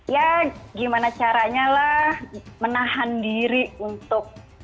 ya gimana caranya lah menahan diri untuk